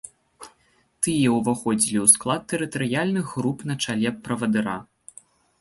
Тыя ўваходзілі ў склад тэрытарыяльных груп на чале правадыра.